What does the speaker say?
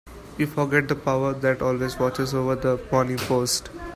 You forget the power that always watches over the Morning Post.